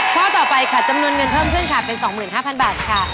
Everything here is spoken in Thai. ข้อต่อไปค่ะจำนวนเงินเพิ่มขึ้นค่ะเป็น๒๕๐๐บาทค่ะ